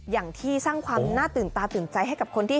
อย่างที่สร้างความน่าตื่นตาตื่นใจให้กับคนที่